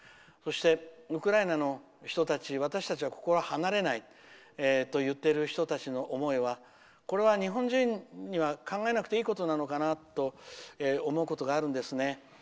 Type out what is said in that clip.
そして、ウクライナの人たちが私たちはここを離れないと言っている人たちの思いはこれは、日本人には考えなくていいことなのかなと思うことがあるんですね。